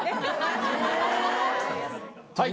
はい。